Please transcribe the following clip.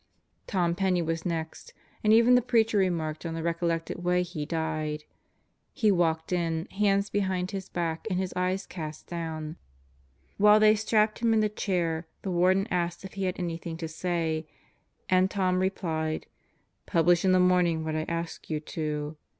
... Tom Penney was next, and even, the Preacher remarked on the recollected way he died. He walked in, hands behind his back and his eyes cast down. While they strapped him in the chair, the Warden asked him if he had anything to say, and Tom replied: "Publish in the morning what I asked you to."